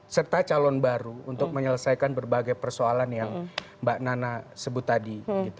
serta calon baru untuk menyelesaikan berbagai persoalan yang mbak nana sebut tadi